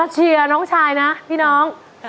เชียร์น้องชายนะพี่น้อง